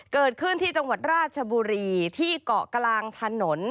เกิดขึ้นที่จังหวัดราชบุรีที่เกาะกลางถนน